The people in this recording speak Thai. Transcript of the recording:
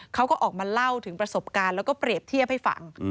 เขาก็ออกมาเล่าถึงประสบการณ์แล้วก็เปรียบเทียบให้ฟัง